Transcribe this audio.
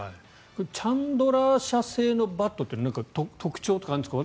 チャンドラー社製のバットって特徴とかあるんですか？